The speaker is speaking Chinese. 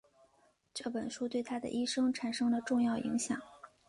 这本书对他的一生产生了重要影响。